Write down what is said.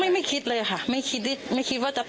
วันที่มันจะตกเห็นเหมือนยังไม่คิดว่ามันจะตกหรือสำคัญ